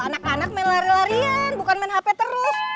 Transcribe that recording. anak anak main lari larian bukan main hp terus